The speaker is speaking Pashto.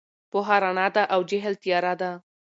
پوهه رڼا ده او جهل تیاره ده.